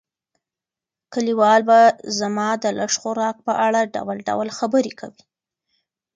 کلیوال به زما د لږ خوراک په اړه ډول ډول خبرې کوي.